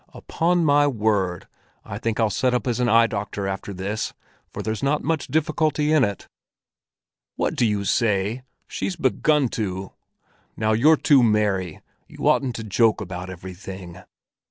Upon my word, I think I'll set up as an eye doctor after this, for there's not much difficulty in it." "What do you say? She's begun to—? Now you're too merry! You oughtn't to joke about everything."